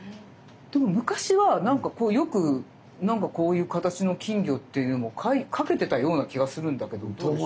でも昔はなんかこうよくこういう形の金魚っていう絵も描けてたような気がするんだけど。と思います。